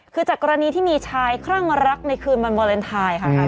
คือจากกรณีที่มีชายครั่งรักในคืนบรรเวอเรนไทน์